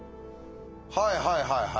はいはいはいはい。